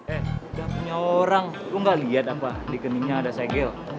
eh dia punya orang lo gak liat apa di gengnya ada segel